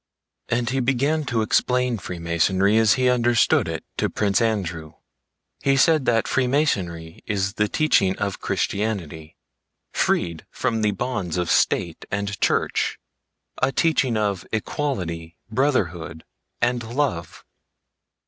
And he began to explain Freemasonry as he understood it to Prince Andrew. He said that Freemasonry is the teaching of Christianity freed from the bonds of State and Church, a teaching of equality, brotherhood, and love.